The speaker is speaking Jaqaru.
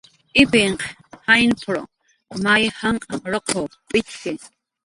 "Ipinhq jaynp""r may janq' ruqw p'itxki"